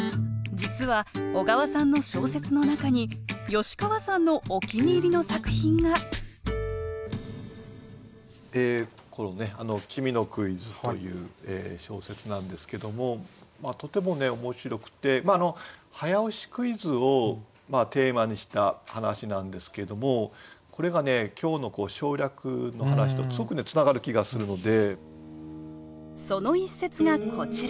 実は小川さんの小説の中に吉川さんのお気に入りの作品がこの「君のクイズ」という小説なんですけどもとても面白くて早押しクイズをテーマにした話なんですけれどもこれがね今日の省略の話とすごくつながる気がするので。